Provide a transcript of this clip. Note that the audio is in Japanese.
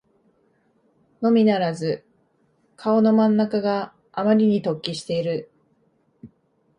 のみならず顔の真ん中があまりに突起している